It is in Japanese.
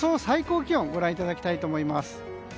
最高気温ご覧いただきたいと思います。